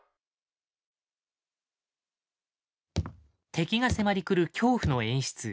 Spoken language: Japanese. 敵が迫り来る恐怖の演出。